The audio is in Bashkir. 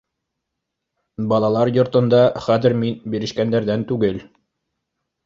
Балалар йортонда хәҙер мин бирешкәндәрҙән түгел.